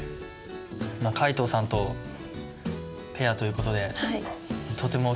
皆藤さんとペアという事でとても緊張して。